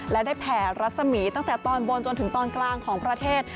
และได้แผ่รัศมีตั้งแต่ตอนบนจนถึงตอนกลางของประเทศ